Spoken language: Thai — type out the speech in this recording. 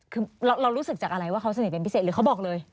คือเรารู้สึกจากอะไรว่าเขาสนิทเป็นพิเศษหรือเขาบอกเลย